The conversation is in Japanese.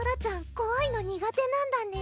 こわいの苦手なんだね